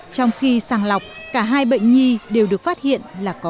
trong khi sàng lọc cả hai bệnh nhi đều được phát hiện